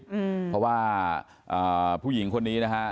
เพราะว่าผู้หญิงคนนี้นะฮะ